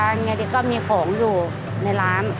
ยังไงดีก็มีของอยู่ในร้าน